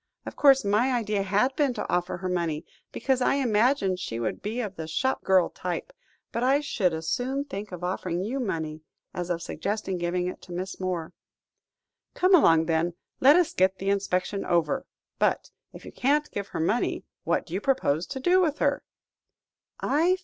Of course, my idea had been to offer her money, because I imagined she would be of the shop girl type, but I should as soon think of offering you money, as of suggesting giving it to Miss Moore." "Come along, then; let us get the inspection over. But, if you can't give her money, what do you propose to do with her?"